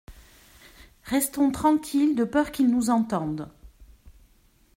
Restons tranquille de peur qu’il nous entende.